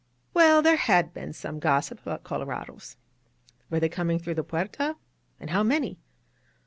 Well, there had been some gossip about colorados. Were they coming through the Puerta, and how many?